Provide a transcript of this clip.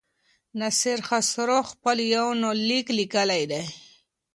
ناصر خسرو خپل يونليک ليکلی دی.